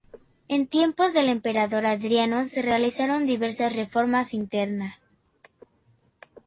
En tiempos del emperador Adriano se realizaron diversas reformas internas.